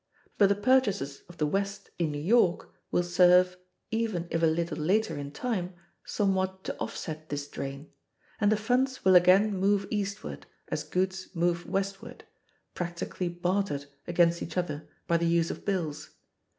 But the purchases of the West in New York will serve, even if a little later in time, somewhat to offset this drain; and the funds will again move eastward, as goods move westward, practically bartered against each other by the use of bills.